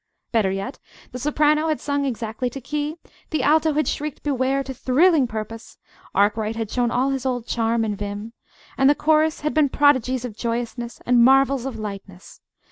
Better yet, the soprano had sung exactly to key, the alto had shrieked "Beware!" to thrilling purpose, Arkwright had shown all his old charm and vim, and the chorus had been prodigies of joyousness and marvels of lightness.